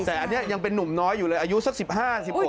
แต่อันนี้ยังเป็นนุ่มน้อยอยู่เลยอายุสัก๑๕๑๖